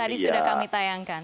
tadi sudah kami tayangkan